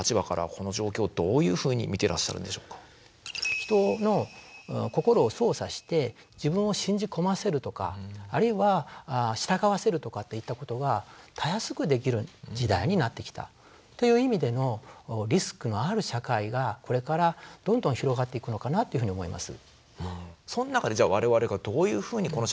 人の心を操作して自分を信じ込ませるとかあるいは従わせるとかといったことがたやすくできる時代になってきたという意味でのリスクのある社会がこれからどんどん広がっていくのかなというふうに思います。